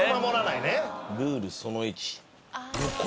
「ルールその一」。